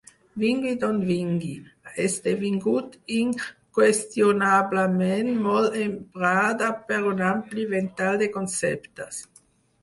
Vingui d'on vingui, ha esdevingut inqüestionablement molt emprada per un ampli ventall de conceptes.